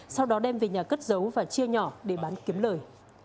sau đó đem về nhà cất giấu và chia nhỏ để bán kiếm lời